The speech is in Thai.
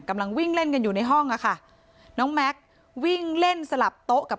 กำลังวิ่งเล่นกันอยู่ในห้องอ่ะค่ะน้องแม็กซ์วิ่งเล่นสลับโต๊ะกับ